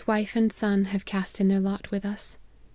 wife and son, have cast in their lot with us.